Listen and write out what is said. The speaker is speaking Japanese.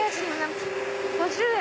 ５０円。